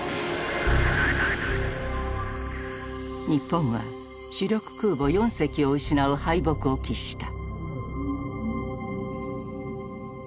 日本は主力空母４隻を失う敗北を喫した。